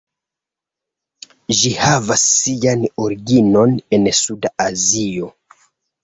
Ĝi havas sian originon en Suda Azio.